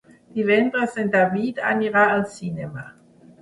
Divendres en David anirà al cinema.